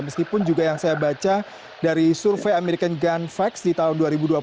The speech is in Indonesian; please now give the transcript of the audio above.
meskipun juga yang saya baca dari survei american gun facts di tahun dua ribu dua puluh